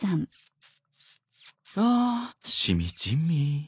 あしみじみ。